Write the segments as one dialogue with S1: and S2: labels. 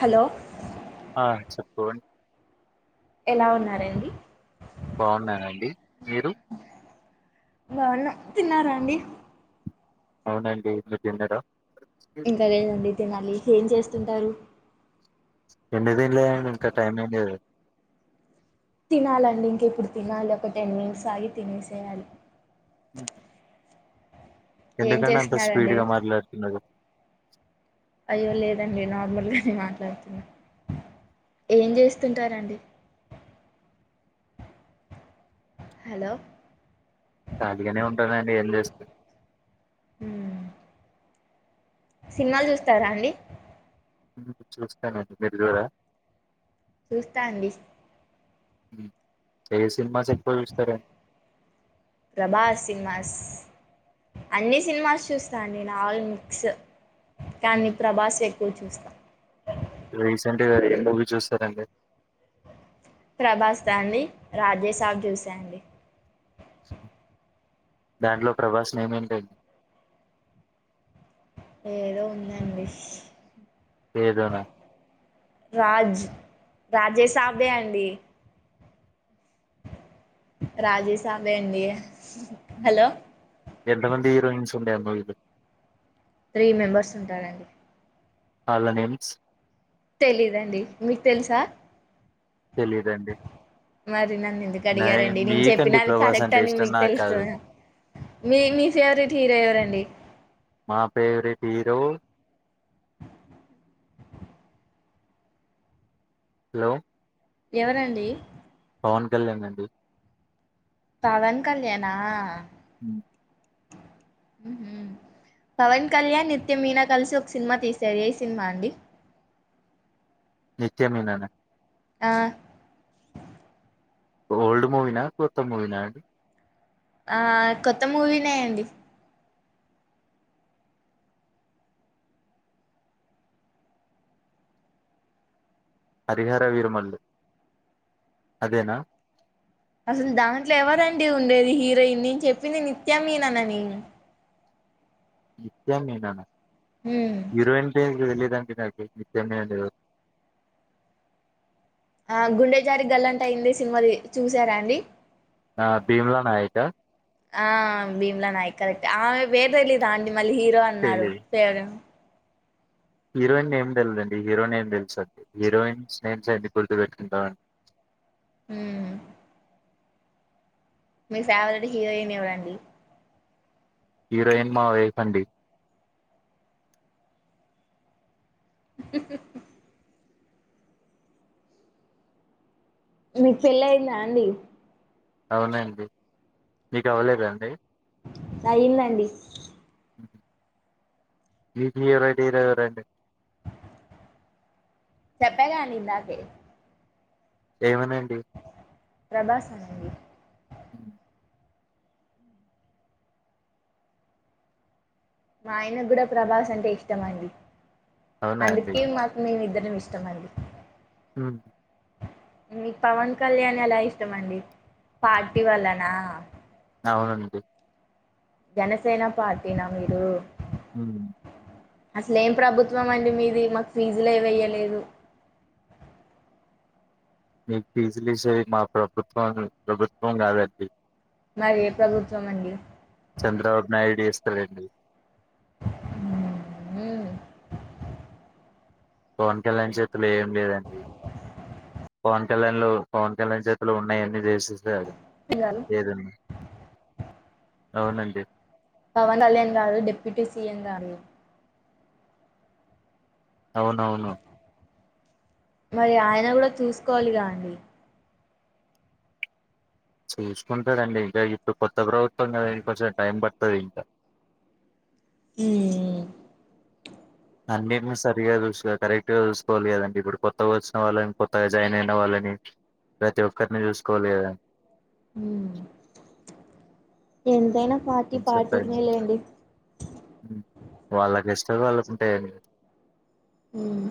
S1: Hello
S2: ఆ చెప్పు
S1: ఎలా ఉన్నారండి
S2: బాన్నానండి మీరు
S1: బాన్నా తిన్నారాండి
S2: అవునండి మీరు తిన్నరా
S1: ఇంకా లేదండి తినాలి ఏం చేస్తుంటారు
S2: ఎందుకు తినలేదు అండి ఇంకా టైమ్ అయింది కదా
S1: తినాలండి ఇంకిప్పుడు తినాలి ఒక టెన్ మినిట్స్ ఆగి తినేసేయాలి
S2: అ [inaudible]
S1: ఏం
S2: ఎందుకండీ అంత స్పీడ్
S1: చేస్తున్నారండి
S2: గా మట్లాడుతున్నారు
S1: అయ్యో లేదండి నార్మల్గా నే మాట్లాడుతున్నా ఏం చేస్తుంటారండి హలో
S2: ఖాళీగా నే ఉంటా నండి ఏం చేస్త్
S1: హ్మ్ సినిమాలు చూస్తారా అండి
S2: హ్మ్ చూస్తానండి మీరు చూడరా
S1: చూస్తా అండి
S2: హ్మ్ ఏ సినిమాస్ ఎక్కువ చూస్తారండి?
S1: ప్రభాస్ సినిమాస్ అన్ని సినిమాస్ చూస్తాండి నేను ఆల్ మిక్స్ కానీ ప్రభాస్ ఎ ఎక్కవ చూస్తా
S2: రీసెంట్ గా ఏం మూవీ చూసారు అండి
S1: ప్రభాస్ దా అండి రాజెసాబ్ చూసా అండి
S2: దాంట్లో ప్రభాస్ నేమ్ ఏంటి
S1: ఏదో ఉందండి
S2: ఏదోనా?
S1: రాజ్ రాజేసాబె అండి రాజెసాబె అండి హలో
S2: ఎంత మంది హీరోయిన్స్ ఉండే ఆ మూవీ లో
S1: త్రీ మెంబర్స్ ఉంటారండి
S2: వాళ్ళ నేమ్స్
S1: తెలీదండి మీకు తెలుసా
S2: తెలిదండి
S1: మరి నన్ను ఎందుకు అడిగారండి నేను చెప్పిన అది
S2: ప్రభాస్
S1: కరెక్ట్
S2: అంటే
S1: అని
S2: ఇష్టం.
S1: మీకు
S2: నాకు
S1: తెలుసా
S2: కాదు.
S1: మీ మీ ఫేవరెట్ హీరో ఎవరండీ
S2: హీరో హలో
S1: ఎవరండి
S2: పవన్ కళ్యాణ్ అండి
S1: పవన్ కళ్యాణా
S2: హ్మ్
S1: ఉహ్ హు పవన్ కళ్యాణ్ నిత్య మీనా కలిసి ఒక సినిమా తీశారు ఏ సినిమా అండి [inaudible]
S2: నిత్య మీనాన్
S1: ఆ
S2: ఓల్డ్ మూవీనా కొత్త మూవీనా అండి
S1: ఆ కొత్త మూవీనేయంండి
S2: హరిహర వీరమల్లు అదేనా
S1: అసలు దాంట్లో ఎవరండి ఉండేది హీరోయిన్ నేను చెప్పింది నిత్యమీనన్ అని
S2: నిత్య మీనన్
S1: ఉమ్
S2: హీరోయిన్ పేరు తెలీదు గాని తెలదండీ నాకు నిత్య మీనన్ తెల్వదు
S1: ఆ గుండె జారి గల్లంతయిందే సినిమాది చూసారా అండి
S2: ఆ భీమ్లా నాయకా
S1: ఆ భీమ్లా నాయక్ ఆమె పేరు తెలీదా అండి మళ్ళీ హీరో అన్నారు
S2: తెలీదు
S1: ఫేవరెట్
S2: హీరోయిన్ నేమ్ తెలిదండి హీరో నేమ్ తెలుస్తది హీరోయిన్స్ నేమ్స్ ఎందుకు గుర్తు పెట్టుకుంటా మండీ
S1: హ్మ్ మీ ఫేవరెట్ హీరోయిన్ ఎవరండి
S2: హీరోయిన్ మా వైఫ్ అండి
S1: మీకు పెళ్లిియిందా అండి
S2: అవునండి మీకు అవ్వలేదా అండి
S1: అయిందండి
S2: మీ ఫేవరెట్ హీరో ఎవరండీ
S1: చెప్పా గా అండి ఇందాకే
S2: ఏమోనన్డి
S1: ప్రభాస్ అండి
S2: హ
S1: మా ఆయన కూడా ప్రభాస్ అంటే ఇష్టంమండి
S2: అవునా అండి
S1: అందుకే మాకు మేమిద్దరుం మేం ఇష్టమండి
S2: హ్మ్
S1: మీకు పవన్ కళ్యాణ్ ఎలా ఇష్టమండి పార్టీ వలనా
S2: అవునండి
S1: జనసేనా పార్టీ నా మీరు
S2: హ్మ్
S1: అసలేం ప్రభుత్వం అండి మీది మాకు ఫీజులే వెయ్యలేదు
S2: మీకు ఫీజులేసే మా ప్రభుత్వం ప్రభుత్వం కాదండి
S1: మరి ఏ ప్రభుత్వం అండి
S2: చంద్రబాబు నాయుడు ఏస్తారంండి
S1: హ్మ్ హ్మ్
S2: పవన్ కళ్యాణ్ చేతులో ఏం లేదండి పవన్ కళ్యాణ్ లో పవన్ కళ్యాణ్ చేతులో ఉన్నయన్ని చేసేస్తారండీ
S1: గారు
S2: ఏదన్నా అవునండి
S1: పవన్ కళ్యాణ్ గాదు డెప్యూటీ సిఎం గారు
S2: అవునవును
S1: మరి ఆయన కూడా చూసుకోవాలిగా అండి
S2: చూసుకుంటాడండి ఇంకా ఇప్పుడు కొత్త ప్రభుత్వం కదనికి కొంచం టైం పడుతుంది ఇంకా
S1: హ్మ్
S2: అన్నింటిని సరిగా చూసు కరెక్ట్గా చూకోవాలి కదండి ఇప్పుడు కొత్తగా వచ్చిన వాళ్ళ కొత్తగా జాయిన్ అయిన వాళ్ళ ప్రతి ఒక్కరిని చూసుకోవాలి కదా
S1: ఎంతైనా వాటి
S2: కొంచెం టైం
S1: పాటినే లేండి
S2: వాళ్ళకి ఇష్టాలు వాళ్ళకుంటే
S1: హ్మ్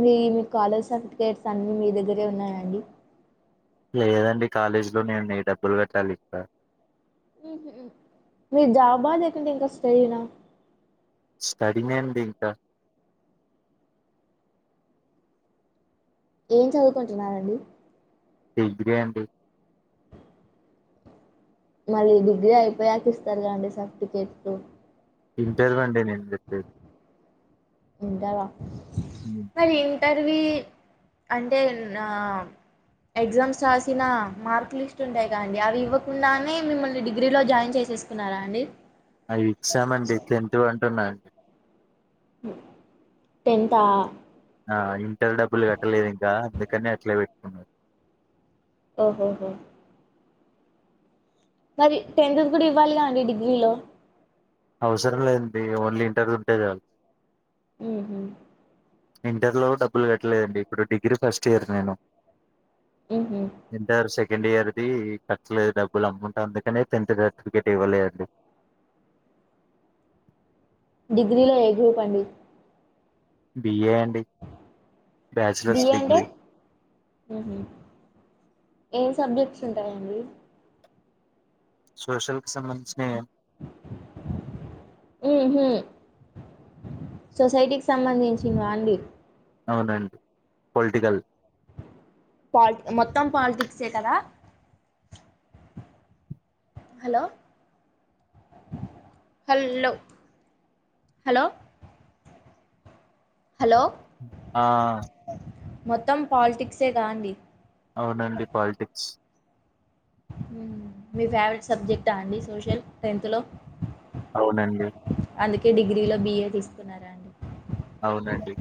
S1: మీ మీ కాలేజ్ సర్టిఫికేట్స్ అన్నీ మీ దగ్గరే ఉన్నాయయండి
S2: లేదండి కాలేజీ లో నేను డబ్బులు కట్టాలి ఇక్కడ
S1: మీరు జాబా లేకంటే ఇంకా స్టడీనా
S2: స్టడినె అండి ఇంకా
S1: ఏం చదువుకుంటున్నండి
S2: డిగ్రీ అండి
S1: మరి డిగ్రీ అయిపోయాక ఇస్తారు కదండి సర్టిఫికేట్లు
S2: ఇంటర్వి అండి నేను చెప్పేది
S1: ఉంటవా మరి ఇంటర్వి అంటే నా ఎగ్జామ్స్ రాసిన మార్క్ లిస్ట్ ఉంటాయి కదండి అవి ఇవ్వకుండానే మిమ్మల్ని డిగ్రీ లో జాయిన్ చేసు చేసుకున్నారా అండి
S2: అవి ఇచ్చామండి కేంటూ అంటున్నాండి
S1: టెన్ంతా
S2: ఆ ఇంటర్ డబ్బులు కట్టలేదు ఇంకా అందుకని అట్లే పెట్టుకున్నారు
S1: ఓహోహ మరి టెన్త్ కూడా ఇవ్వాలిగా అండి డిగ్రీలో
S2: అవసరం లేదండి ఓన్లీ ఇంటర్వూ ఉంటే చాల
S1: హ్మ్ హ్మ్
S2: ఇంటర్లో డబ్బులు కట్టలేదండి ఇప్పుడు డిగ్రీ ఫస్ట్ ఇయర్ నేను
S1: ఉ
S2: ఇంటర్ సెకండ్ ఇయర్ది కట్టాలి డబ్బులు అమౌంట్ అందుకని టెన్త్ సర్టిఫికేట్ ఇవ్వలే అండి
S1: డిగ్రీలో ఏ గ్రూప్ అండి
S2: బి ఏ
S1: బ ఏ అంటే ఎన్ని సబ్జెక్ట్స్ ఉంటాయండి
S2: సోషల్ కి సంబంధించిన
S1: హ్మ్ హ్మ్ సొసైటీకి సంబంధించినవ అండి
S2: అవునండి పొలిటికల్
S1: పాలిటి మొత్తం పాలిటిక్సే కదా హలో హలో హలో హలో
S2: ఆ
S1: మొత్తం పాలిటిక్సే కా అండి
S2: అవునండి పాలిటిక్స్
S1: మీ ఫేవరెట్ సబ్జెక్టా అండి సోషల్ టెన్త్ లో
S2: అవునండి
S1: అందుకే డిగ్రీలో బిఏ తీసుకున్నారా అండి
S2: అవునండి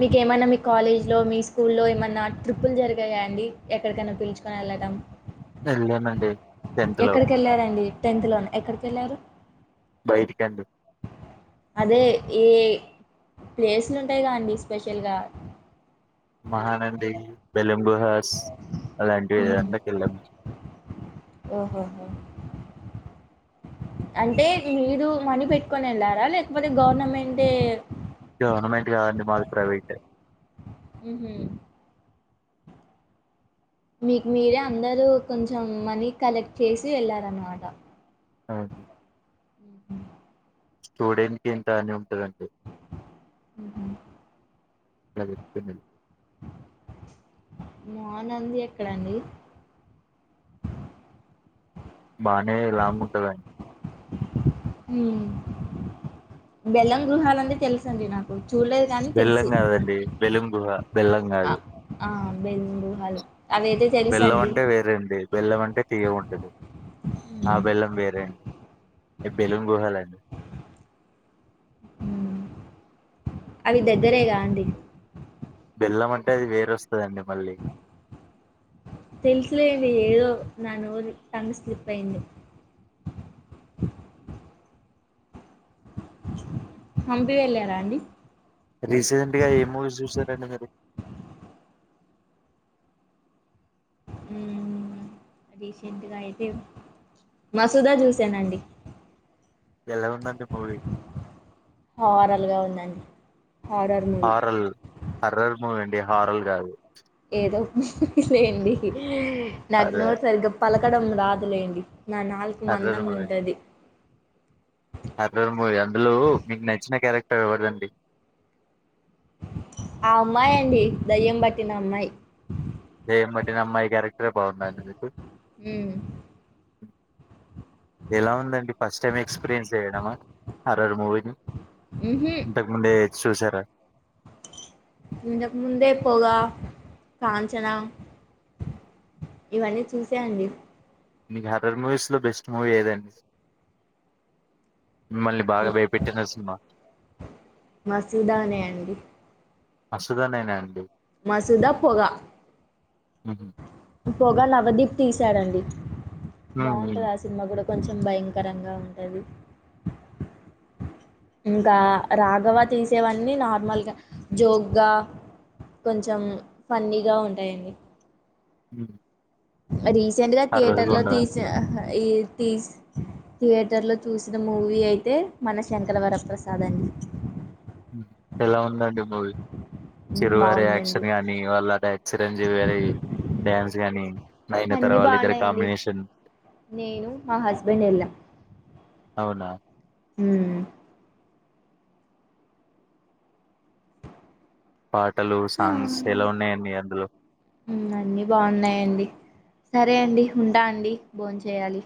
S1: మీకు ఏమన్నా మీ కాలేజ్ లో మీ స్కూల్ లో ఏమన్నా ట్రిప్పులు జరిగాయా అండి, ఎక్కడికైనా పిలుచుకొని వెదం
S2: వెళ్లానండి
S1: ఎక్కడికెళ్లారండి టెన్త్ లోనే ఎక్కడికెళ్ళారు
S2: బైటికండి
S1: అది ఈ ప్లేసులుంటాయి గా అండి స్పెషల్గా
S2: మహానంది బెలంబుహాస్ అలాంటివి ఎంద కెళ్ళం
S1: ఓహో అంటే మీరు మనీ పెట్టుకొని వెళ్ళారా లేకపోతే గవర్నమెంటే
S2: గవర్నమెంట్ గాదండి మాది ప్రైవేట్
S1: ఊహు మీకు మీరే అందరూ కొంచెం మనీ కలెక్ట్ చేసి వెళ్ళారన్మాట
S2: ఆహు
S1: ఊహు
S2: స్టూడెంట్ కింతా అని ఉంటదండి
S1: ఉహూ
S2: ప్రభుత్వ మిల్
S1: మానంది ఎక్కడండి
S2: మానే రాంగుంటదన్
S1: ఊ బెల్లం గుహాలంటే తెలుసండి నాకు చూడలేదు గానీ
S2: బెల్లం
S1: తెలుసు
S2: కాదండి బెలూమ్ గుహ బెల్లం
S1: అ
S2: కాదు
S1: ఆ బెలుం గుహాలు
S2: బెల్లం అంటే వేరే అండి బెల్లం అంటే తియ్యగుంటది ఆ
S1: హ్మ్.
S2: బెల్లం వేరే ఎ బెలున్ గుహాలండి
S1: హ్మ్. అవి దగ్గరేగా అండి
S2: బెల్లమంటే అది వేరొస్తదండి మళ్ళి
S1: తెలుసులేండి ఏదో నా నోరు టంగ్ స్లిప్ అయింది [unintelligible] హంపి వెళ్ళారా అండి
S2: రీసెంట్ గా ఏం మూవీస్ జూశారండి మీరు
S1: ఊ రీసెంటుగా అయితే వసుదా జూసానండి
S2: ఎలా ఉందండి మూవి
S1: హారర్గా ఉందండి horror movie
S2: horror horror movie అండి హారల్ గాదు
S1: ఏదో లేండి నాకు నోరు
S2: హర్రర్
S1: సరిగ్గ పల రాదులేండి నా నాలుక
S2: హర్రర్ మూవీ
S1: మందంగుంటది
S2: హర్రర్ మూవి అందులో మీకు నచ్చిన క్యారెక్టర్ ఎవరిదండి
S1: ఆ అమ్మాయండి దయ్యం బట్టిన అమ్మాయి
S2: దెయ్యం బట్టిన అమ్మాయి క్యారెక్టరే బాగుందా అండి మీకు
S1: ఉమ్
S2: ఎలా ఉందండి ఫస్ట్ టైం ఎక్స్పీరియన్స్ జెయడమా హర్రర్ మూవీ
S1: ఉహు
S2: ఇంతకుముందే చూశారా
S1: ఇంతక్ ముందే పొగా కాంచనా
S2: [inaudible]
S1: ఇవన్ని చూశా అండి
S2: మీకు హర్రర్ మూవీస్ లో బెస్ట్ మూవీ ఏదండి మిమ్మల్ని బాగ భయపెట్టిన సినిమా
S1: మసుదానే అండి
S2: అసుదానేనా అండి
S1: మసుదా పొగ
S2: హుహు.
S1: పొగ నవదీప్ తీశారండి
S2: హ్మ్.
S1: బావుంటది
S2: హ్మ్.
S1: ఆ సినిమా గుడ కొంచెం భయంకరంగా ఉంటది ఇంకా రాగవ తీసేవన్నీ నార్మల్గ, జోగ్గా కొంచెం ఫన్నీగా ఉంటాయండి.
S2: ఉహ్
S1: రీసెంట్ గా థియేటర్ లో తీశా హ ఈ తీస్ థియేటర్లో చూసిన మూవీ అయితే, మన శంకరవరప్రసాద్ అండి. [unintelligible]
S2: ఎలా ఉందండి మూవి చిరువారి
S1: బాగుందండి
S2: యాక్షన్ గానీ, వాళ్ళ డై యాక్షన్ రేంజ్ వేరు డ్యాన్స్ గానీ, నయినతార
S1: అన్ని
S2: వాళ్ళిద్దరి
S1: బాగున్నాయండి
S2: కాంబినేషన్
S1: నేను, మా హస్బెండ్ వెళ్ళాం,
S2: అవునా
S1: ఊ
S2: పాటలూ, సాంగ్స్ ఎలా ఉన్నయండి అందులో
S1: అన్నీ బాగున్నాయండి సరే అండి ఉంటా అండి బోన్ చేయాలి.